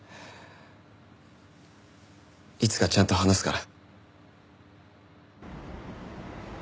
いつかちゃんと話すから。